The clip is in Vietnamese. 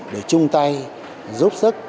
để chung tay giúp sức